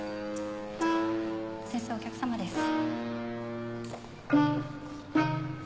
先生お客さまです。